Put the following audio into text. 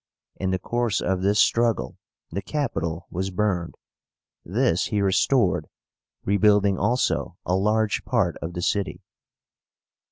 In the course of this struggle the Capitol was burned. This he restored, rebuilding also a large part of the city.